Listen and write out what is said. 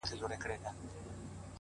يې ياره شرموه مي مه ته هرڅه لرې ياره،